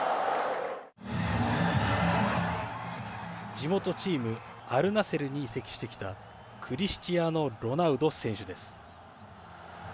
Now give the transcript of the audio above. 地元チーム、アルナスルに移籍してきたクリスチアーノ・ロナウド選手です。